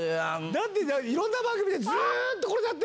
だっていろんな番組でずーっ